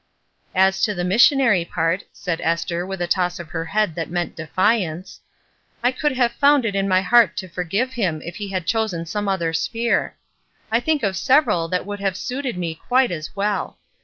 "As to the missionary part," said Esther, with a toss of her head that meant defiance, "I could have found it in my heart to forgive him if he had chosen some other sphere. I think of several that would have suited me quite as well.